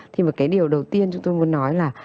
thì một cái điều đầu tiên chúng tôi muốn nói là